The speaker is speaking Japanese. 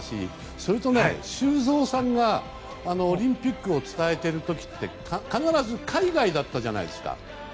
それと修造さんがオリンピックを伝えている時って必ず海外だったじゃないですか。